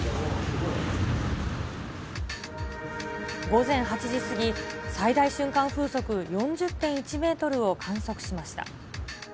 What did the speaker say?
午前８時過ぎ、最大瞬間風速４０．１メートルを観測しました。